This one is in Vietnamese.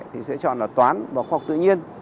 thì sẽ chọn là toán và khoa học tự nhiên